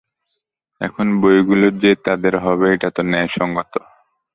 এখন বইগুলি যে তাঁদের হবে, এটা তো ন্যায়সঙ্গত।